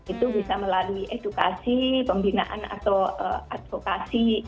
itu bisa melalui edukasi pembinaan atau advokasi